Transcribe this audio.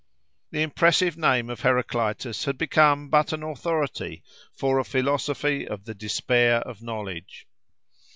The impressive name of Heraclitus had become but an authority for a philosophy of the despair of knowledge.